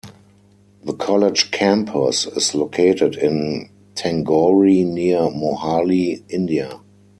The college campus is located in Tangori, near Mohali, India.